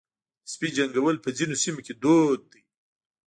د سپي جنګول په ځینو سیمو کې دود دی.